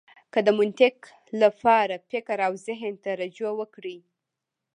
او د منطق لپاره فکر او زهن ته رجوع وکړئ.